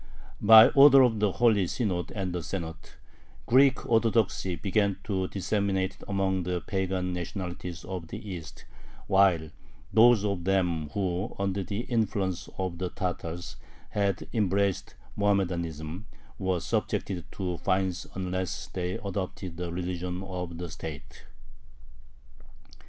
By order of the Holy Synod and the Senate, Greek Orthodoxy began to be disseminated among the pagan nationalities of the East, while those of them who, under the influence of the Tatars, had embraced Mohammedanism, were subjected to fines unless they adopted the religion of the state.